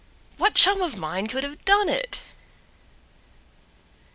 What chum of mine could have done it?